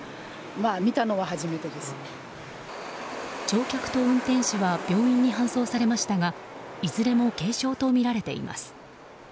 乗客と運転手は病院に搬送されましたがいずれも軽傷とみられています。